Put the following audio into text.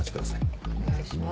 お願いします。